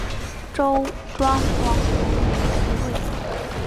周庄王元年即位。